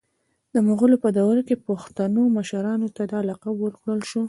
د مغولو په دور کي پښتنو مشرانو ته دا لقب ورکړل سو